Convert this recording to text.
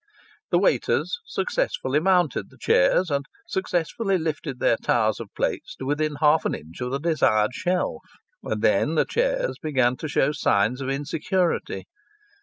The waiters successfully mounted the chairs and successfully lifted their towers of plates to within half an inch of the desired shelf, and then the chairs began to show signs of insecurity.